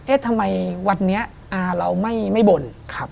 ทำไมวันนี้อาเราไม่บ่น